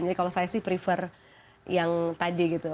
jadi kalau saya sih prefer yang tadi gitu